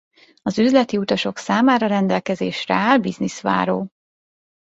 Az üzleti utasok számára rendelkezésre áll business-váró.